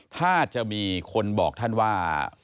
ถ้าจะมีคนบอกท่านว่า